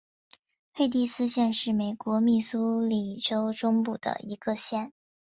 佩蒂斯县是美国密苏里州中部的一个县。